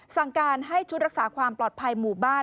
สั่งการให้ชุดรักษาความปลอดภัยหมู่บ้าน